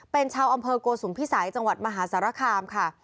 เป็นชาวอำเภอโกสุมพิสัยจังหวัดมหาสารคามค่ะ